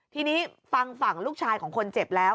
ทีนี้ฟังฝั่งลูกชายของคนเจ็บแล้ว